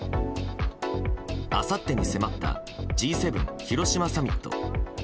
あさってに迫ったＧ７広島サミット。